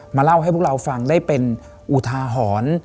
เล่าให้พวกเราฟังได้เป็นอุทาหรณ์